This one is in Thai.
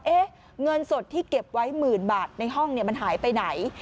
เงินสดที่เก็บไว้หมื่นบาทในห้องมันหายไปไหน